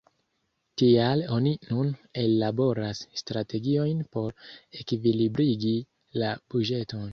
Tial oni nun ellaboras strategiojn por ekvilibrigi la buĝeton.